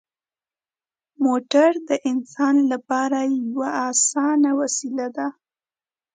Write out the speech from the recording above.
موټر د انسان لپاره یوه اسانه وسیله ده.